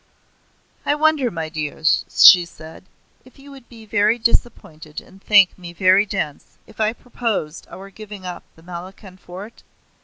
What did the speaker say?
"I wonder, my dears," she said, "if you would be very disappointed and think me very dense if I proposed our giving up the Malakhand Fort?